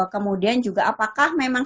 kemudian juga apakah memang